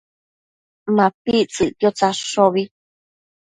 MapictsËquid tsadshobi